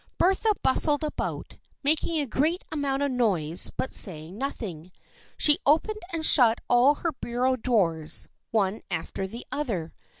Bertha bustled about, making a great amount of noise but saying nothing. She opened and shut all her bureau drawers, one after the other.